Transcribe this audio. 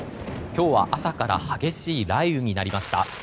今日は朝から激しい雷雨になりました。